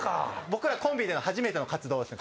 僕らコンビでの初めての活動です